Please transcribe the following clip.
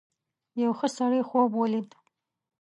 یو ښه سړي خوب ولید.